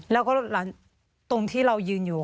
แล้วก็ตรงที่เรายืนอยู่